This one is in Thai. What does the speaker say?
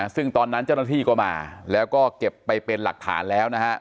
ซึ่งตอนนั้นเจ้าหน้าที่ก็มาแล้วก็เก็บไปเป็นหลักฐานแล้วนะฮะ